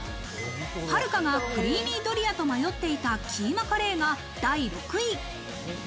はるかがクリーミードリアと迷っていたキーマカレーが第６位。